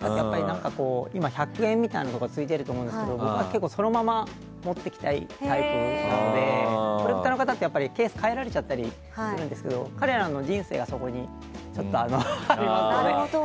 今、１００円みたいなのがついていると思うんですけど僕は結構そのまま持ってきたいタイプなのでケース変えられちゃったりするんですけど彼らの人生がそこにありますので。